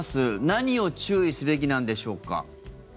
何を注意すべきなんでしょうか？